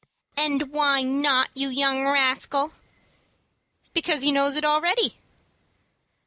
"And why not, you young rascal?" "Because he knows it already."